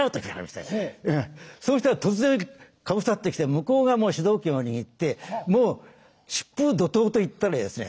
そうしたら突然かぶさってきて向こうが主導権を握って疾風怒濤といったらいいですね